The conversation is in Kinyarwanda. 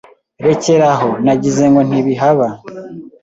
Rekera aho, nagize ngo ntibihaba